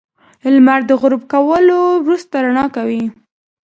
• لمر د غروب کولو وروسته رڼا ورکوي.